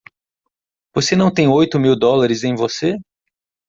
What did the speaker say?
Você não tem oito mil dólares em você?